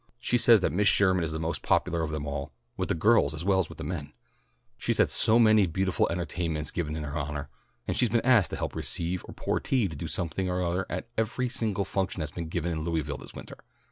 She says that Miss Sherman is the most popular of them all, with the girls as well as the men. She's had so many beautiful entertainments given in her honour, and she's been asked to help receive or pour tea or do something or other at every single function that's been given in Louisville this winter.